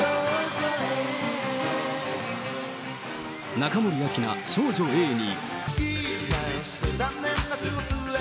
中森明菜、少女Ａに。